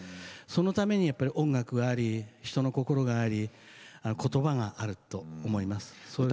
そのために音楽があり人の心がありことばがあると思います。